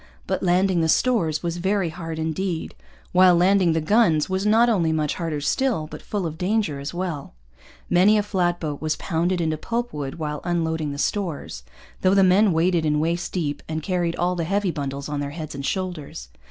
But landing the stores was very hard indeed; while landing the guns was not only much harder still, but full of danger as well. Many a flat boat was pounded into pulpwood while unloading the stores, though the men waded in waist deep and carried all the heavy bundles on their heads and shoulders.